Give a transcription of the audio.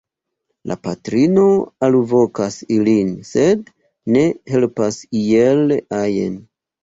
La patrino alvokas ilin, sed ne helpas iel ajn.